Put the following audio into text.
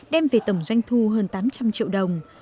đem về tổng doanh thu hơn tám trăm linh triệu đồng